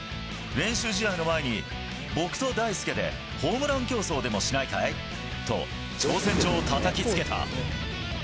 練習試合の前に僕と大介でホームラン競争でもしないかい？と挑戦状をたたきつけた。